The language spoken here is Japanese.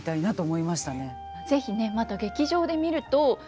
是非ねまた劇場で見ると。